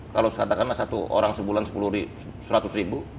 kalau katakanlah satu orang sebulan rp seratus